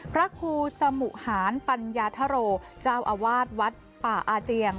พระครูสมุหารปัญญาธโรเจ้าอาวาสวัดป่าอาเจียง